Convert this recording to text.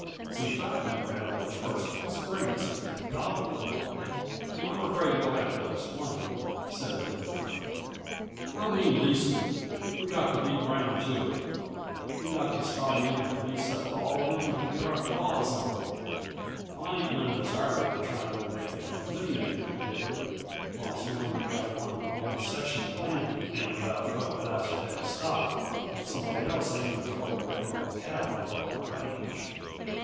"Since I have never had much personal experience in the 'gobbling' line, I'm afraid you'll have to explain," said Dill dryly. "I mean leasing. We got to beat Brown to it. We got to start in and lease up all the land we can get our claws on. I ain't none desirable uh trying to make yuh a millionaire, Dilly, whilst we've only got one lone section uh land and about twelve thousand head uh stock, and somebody else aiming to throw a big lot uh cattle onto our range.